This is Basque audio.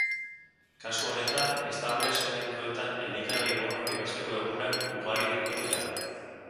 Kasu honetan, establezimenduetan elikagai-bonuak erosteko egunak ugarituko dira.